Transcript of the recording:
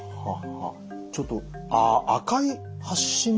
ちょっと赤い発疹ですか？